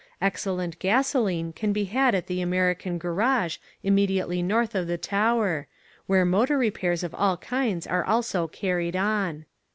Excellent gasoline can be had at the American Garage immediately north of the Tower, where motor repairs of all kinds are also carried on.